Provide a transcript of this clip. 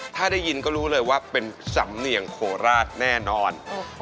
ถ้าได้ยินก็รู้เลยว่าเป็นสำเนียงโคราชแน่นอน